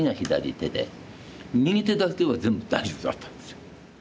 右手だけは全部大丈夫だったんですよ。